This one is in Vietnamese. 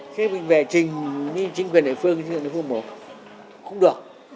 thế mình về trình như chính quyền địa phương chính quyền địa phương mà không được